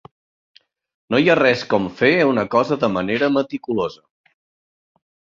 No hi ha res com fer una cosa de manera meticulosa.